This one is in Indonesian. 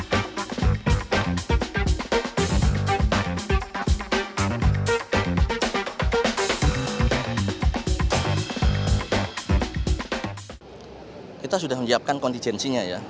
kita sudah menyiapkan kontingensinya ya